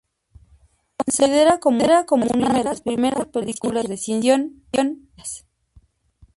Se lo considera como una de las primeras películas de ciencia ficción "serias".